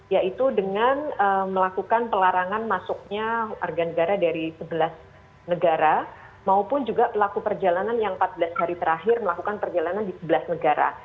yaitu dengan melakukan pelarangan masuknya warga negara dari sebelas negara maupun juga pelaku perjalanan yang empat belas hari terakhir melakukan perjalanan di sebelas negara